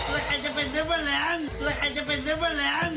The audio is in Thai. แล้วใครจะเป็นเนื้อแมลงแล้วใครจะเป็นเนื้อแมลง